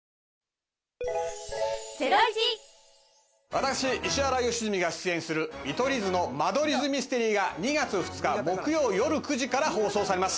私、石原良純が出演する『見取り図の間取り図ミステリー』が２月２日、木曜夜９時から放送されます。